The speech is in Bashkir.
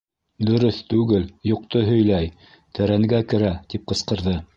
— Дөрөҫ түгел, юҡты һөйләй, тәрәнгә керә! — тип ҡысҡырҙы.